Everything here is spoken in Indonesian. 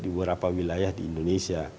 beberapa wilayah di indonesia